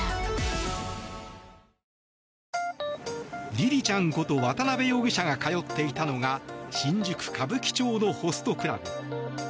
りりちゃんこと渡邊容疑者が通っていたのが新宿・歌舞伎町のホストクラブ。